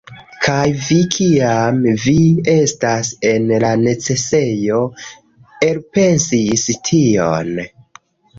Kaj vi kiam vi estas en la necesejo elpensis tion!